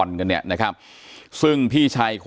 ต่อยอีกต่อยอีกต่อยอีกต่อยอีก